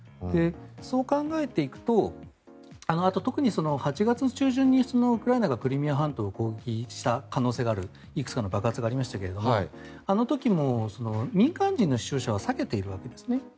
そう考えていくと特に８月中旬にウクライナがクリミア半島を攻撃した可能性があるいくつかの爆発がありましたがあの時も民間人の死傷者は避けているわけですね。